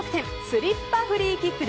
スリッパフリーキック！！